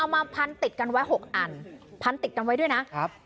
มาพันติดกันไว้๖อันพันติดกันไว้ด้วยนะครับ